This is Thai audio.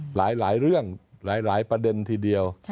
หลายเรื่องหลายประเด็นทีเดียว